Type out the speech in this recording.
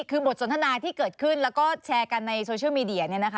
คือบทสนทนาที่เกิดขึ้นแล้วก็แชร์กันในโซเชียลมีเดีย